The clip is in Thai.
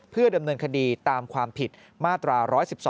เพื่อดำเนินคดีตามความผิดมาตรา๑๑๒